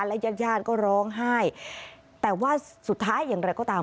และญาติญาติก็ร้องไห้แต่ว่าสุดท้ายอย่างไรก็ตาม